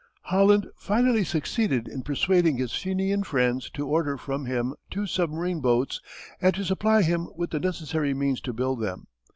Holland finally succeeded in persuading his Fenian friends to order from him two submarine boats and to supply him with the necessary means to build them.